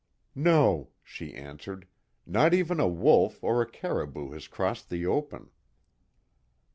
"No," she answered, "Not even a wolf, or a caribou has crossed the open."